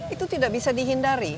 itu tidak bisa dihindari